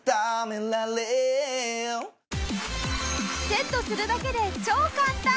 セットするだけで超簡単！